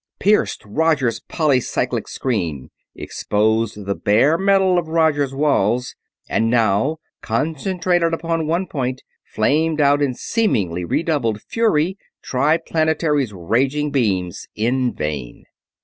Pierced Roger's polycyclic screen; exposed the bare metal of Roger's walls! And now, concentrated upon one point, flamed out in seemingly redoubled fury Triplanetary's raging beams in vain.